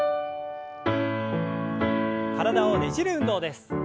体をねじる運動です。